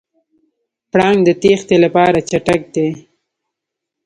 پړانګ د تېښتې لپاره چټک دی.